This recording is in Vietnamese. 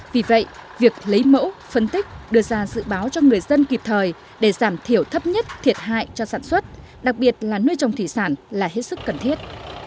vì vậy việc lấy mẫu phân tích đưa ra dự báo cho người dân kịp thời để giảm thiểu thấp nhất thiệt hại cho sản xuất đặc biệt là nuôi trồng thủy sản là hết sức cần thiết